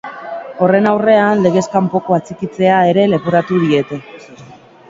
Horren aurrean, legez kanpoko atxikitzea ere leporatuko diete.